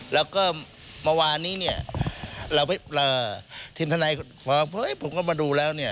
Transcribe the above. แล้วก็เมื่อนี้ถิ่นทันัยฟ้องผมก็มาดูแล้ว